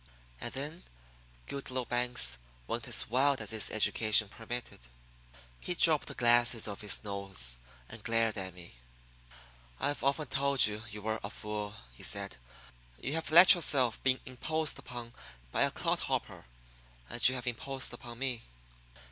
And then Goodloe Banks went as wild as his education permitted. He dropped the glasses off his nose and glared at me. "I've often told you you were a fool," he said. "You have let yourself be imposed upon by a clodhopper. And you have imposed upon me."